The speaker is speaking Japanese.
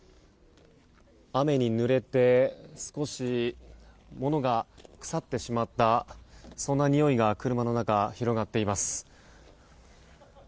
雨にぬれて少し物が腐ってしまったそんな匂いが、車の中広がっています。